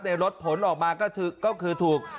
รถผลออกมาก็คือถูก